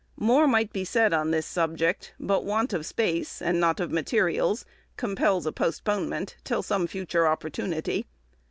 More might be said on this subject, but want of space, and not of materials, compels a postponement, till some future opportunity.